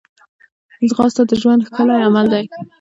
ځغاسته د ژوند ښکلی عمل دی